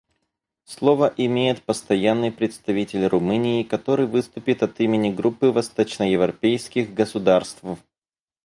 Слово имеет Постоянный представитель Румынии, которая выступит от имени Группы восточноевропейских государств.